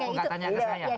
tidak tanya ke saya